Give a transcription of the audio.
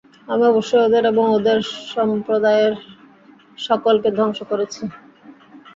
আমি অবশ্যই ওদের এবং ওদের সম্প্রদায়ের সকলকে ধ্বংস করেছি।